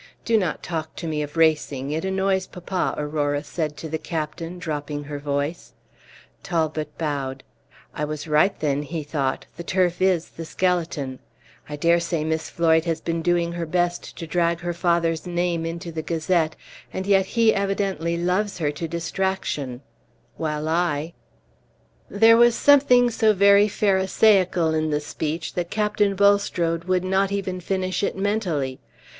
"Do not talk to me of racing; it annoys papa," Aurora said to the captain, dropping her voice. Talbot bowed. "I was right, then," he thought; "the turf is the skeleton. I dare say Miss Floyd has been doing her best to drag her father's name into the Gazette, and yet he evidently loves her to distraction; while I " There was something so very pharisaical in the speech that Captain Bulstrode would not even finish it mentally.